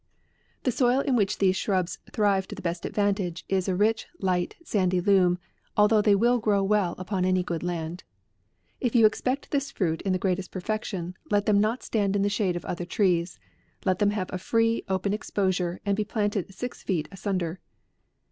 The soil in which these shrubs thrive to the best advantage, is a rich, light, sandy loam, although they will grow well upon any good land. If you expect this fruit in the greatest per fection, let them not stand in the shade of other trees ; let them have a free, open ex posure, and be planted six feet asunder.